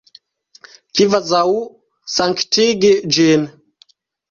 Kvazaŭ sanktigi ĝin.